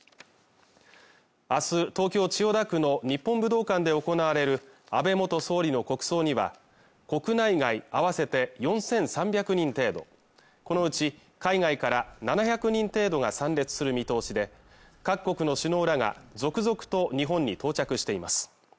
明日東京・千代田区の日本武道館で行われる安倍元総理の国葬には国内外合わせて４３００人程度このうち海外から７００人程度が参列する見通しで各国の首脳らが続々と日本に到着しています